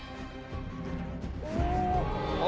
お！